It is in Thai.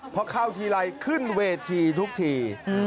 พอเข้าทีไรขึ้นเวทีทุกที